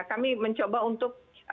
kami mencoba untuk